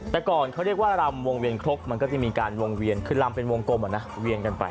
แต่ก่อนเขาเรียกว่ารำวงเวียนครกมันก็จะมีการวงเวียนคือลำเป็นวงกลมเวียนกันไป